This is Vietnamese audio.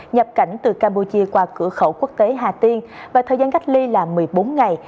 nhập cảnh từ campuchia qua cửa khẩu quốc tế hà tiên và thời gian cách ly là một mươi bốn ngày